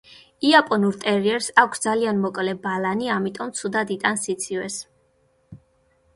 იაპონურ ტერიერს აქვს ძალიან მოკლე ბალანი, ამიტომ ცუდად იტანს სიცივეს.